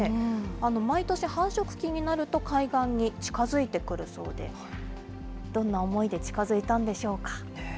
毎年、繁殖期になると海岸に近づいてくるそうで、どんな思いで近づいたんでしょうか。